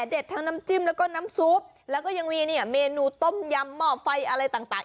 ทั้งน้ำจิ้มแล้วก็น้ำซุปแล้วก็ยังมีเนี่ยเมนูต้มยำหม้อไฟอะไรต่าง